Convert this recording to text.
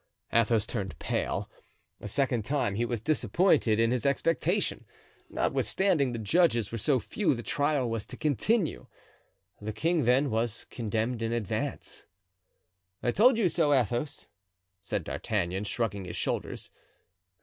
Athos turned pale. A second time he was disappointed in his expectation. Notwithstanding the judges were so few the trial was to continue; the king then, was condemned in advance. "I told you so, Athos," said D'Artagnan, shrugging his shoulders.